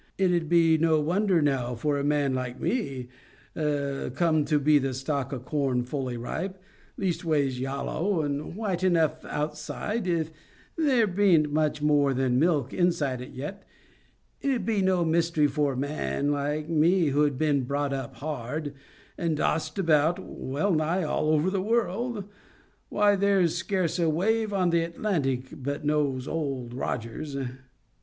It 'ud be no wonder now for a man like me, come to be the shock o' corn fully ripe—leastways yallow and white enough outside if there bean't much more than milk inside it yet,—it 'ud be no mystery for a man like me who'd been brought up hard, and tossed about well nigh all the world over—why, there's scarce a wave on the Atlantic but knows Old Rogers!"